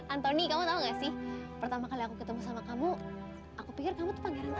antoni kamu tahu gak sih pertama kali aku ketemu sama kamu aku pikir kamu tuh pangeran